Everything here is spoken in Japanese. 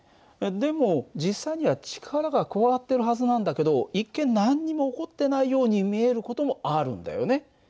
でも実際には力が加わってるはずなんだけど一見何にも起こってないように見える事もあるんだよね。